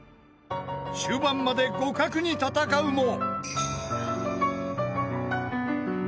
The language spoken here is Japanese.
［終盤まで互角に戦うも］